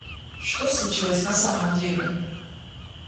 Что случилось на самом деле?